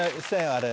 あれ